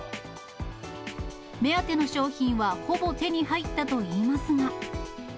目当ての商品はほぼ手に入ったといいますが。